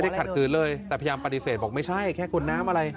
ขัดขืนเลยแต่พยายามปฏิเสธบอกไม่ใช่แค่คุณน้ำอะไร